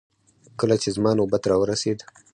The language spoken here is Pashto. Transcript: کله چې زما نوبت راورسېد.